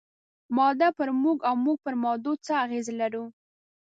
مادې پر موږ او موږ پر مادو څه اغېز لرو؟